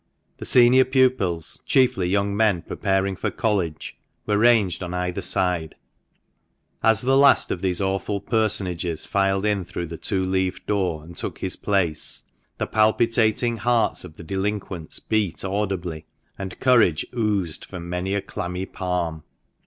The senior pupils, chiefly young men preparing for college, were ranged on either side. As the last of these awful personages filed in through the two leaved door, and took his place, the palpitating hearts of the delinquents beat audibly, and courage oozed from many a clammy palm.